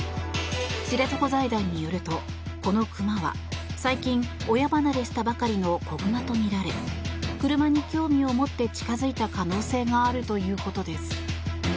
知床財団によるとこの熊は最近、親離れしたばかりの子熊とみられ車に興味を持って近付いた可能性があるということです。